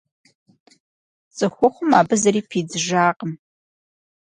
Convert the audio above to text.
ЦӀыхухъум абы зыри пидзыжакъым.